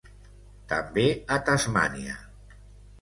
També a Tasmània.